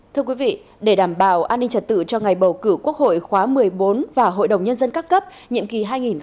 thưa quý vị để đảm bảo an ninh trật tự cho ngày bầu cử quốc hội khóa một mươi bốn và hội đồng nhân dân các cấp nhiệm kỳ hai nghìn hai mươi một hai nghìn hai mươi sáu